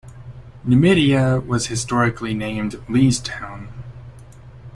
Numidia was historically named "Leestown".